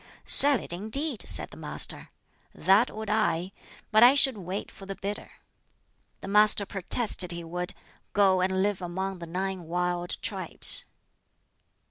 "Sell it, indeed," said the Master "that would I; but I should wait for the bidder." The Master protested he would "go and live among the nine wild tribes."